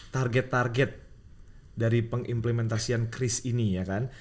target target dari pengimplementasian kris ini ya kan